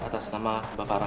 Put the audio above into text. atas nama bapak rahmat